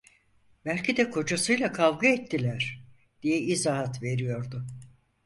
"Belki de kocasıyla kavga ettiler…" diye izahat veriyordu.